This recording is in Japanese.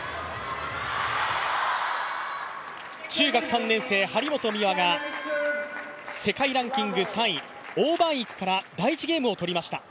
中学３年生、張本美和が世界ランキング３位、王曼イクから第１ゲームを取りました。